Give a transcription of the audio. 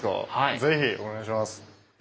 ぜひお願いします。